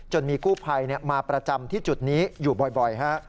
มีกู้ภัยมาประจำที่จุดนี้อยู่บ่อยฮะ